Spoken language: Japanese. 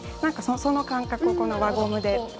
その感覚を輪ゴムで。